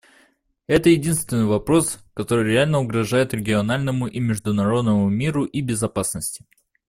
Это единственный вопрос, который реально угрожает региональному и международному миру и безопасности.